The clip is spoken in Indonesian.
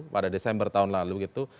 pada desember tahun lalu gitu